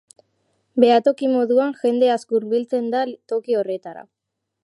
Behatoki moduan jende asko hurbiltzen da toki horretara.